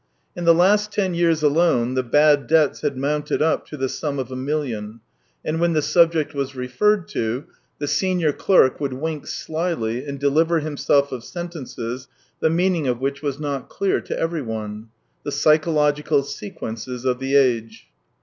In the last ten years alone the bad debts had mounted up to the sum of a million; and when the subject was referred to. the senior clerk would wink slyly and deliver himself of sentences the meaning of which was not clear to everyone : 2i6 THE TALES OF TCHEHOV " The psychological sequences of the age."